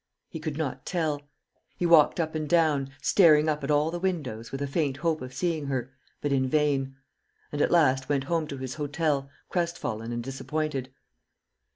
He could not tell. He walked up and down, staring up at all the windows with a faint hope of seeing her, but in vain; and at last went home to his hotel crestfallen and disappointed.